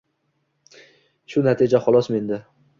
Shu natija xolos menda.